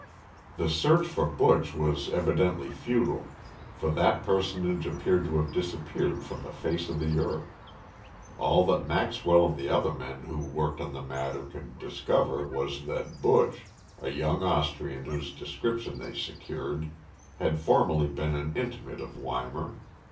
The search for Buch was evidently futile, for that personage appeared to have disappeared from the face of the earth. All that Maxwell and the other men who worked on the matter could discover was that Buch a young Austrian whose description they secured had formerly been an intimate of Weimar.